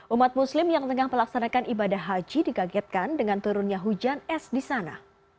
umat muslim yang tengah melaksanakan ibadah haji dikagetkan dengan turunnya hujan es di sana